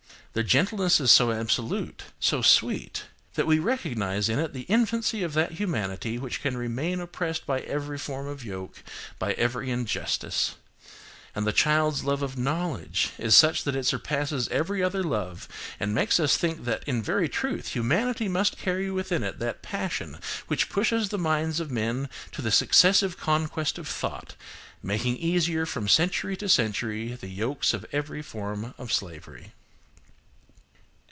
Their gentleness is so absolute, so sweet, that we recognise in it the infancy of that humanity which can remain oppresed by every form of yoke, by every injustice; and the child's love of knowledge is such that it surpasses every other love and makes us think that in very truth humanity must carry within it that passion which pushes the minds of men to the successive conquest of thought, making easier from century to century the yokes of every form of slavery.